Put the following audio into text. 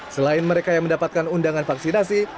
selain mereka yang mendapatkan undangan vaksinasi